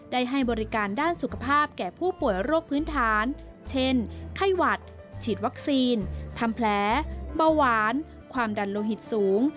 ให้บริการด้านสุขภาพแก่ผู้ป่วยโรคพื้นฐานเช่นไข้หวัดฉีดวัคซีนทำแผลเบาหวานความดันโลหิตสูง